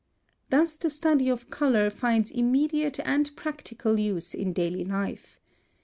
Thus the study of color finds immediate and practical use in daily life.